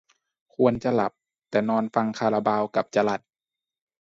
ควรจะหลับ แต่นอนฟังคาราบาวกับจรัล